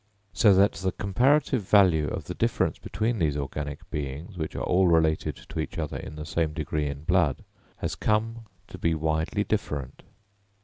So that the comparative value of the differences between these organic beings, which are all related to each other in the same degree in blood, has come to be widely different.